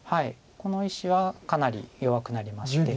この石はかなり弱くなりまして。